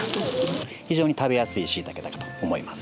非常に食べやすいしいたけだと思います。